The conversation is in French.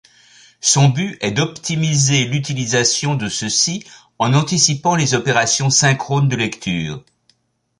Son but est d'optimiser l'utilisation de ceux-ci en anticipant les opérations synchrones de lecture.